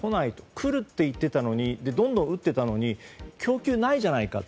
来るって言っていたのにどんどん打っていたのに供給ないじゃないかと。